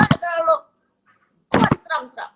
jangan jangan lo gue diseram seram